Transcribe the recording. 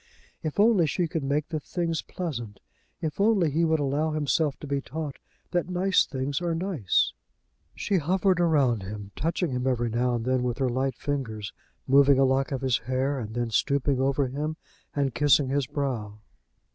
If only she could make the things pleasant! If only he would allow himself to be taught that nice things are nice! She hovered around him, touching him every now and then with her light fingers, moving a lock of his hair, and then stooping over him and kissing his brow.